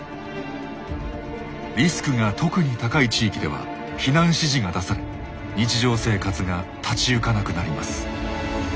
リスクが特に高い地域では避難指示が出され日常生活が立ち行かなくなります。